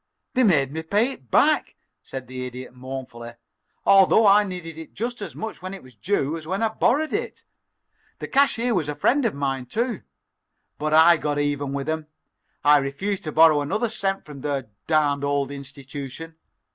"They made me pay it back," said the Idiot, mournfully, "although I needed it just as much when it was due as when I borrowed it. The cashier was a friend of mine, too. But I got even with 'em. I refused to borrow another cent from their darned old institution.